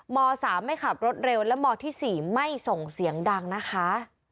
ม๓ไม่ขับรถเร็วและมที่๔ไม่ส่งเสียงดังนะคะ